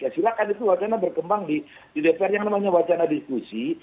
silahkan itu wacana berkembang di dpr yang namanya wacana diskusi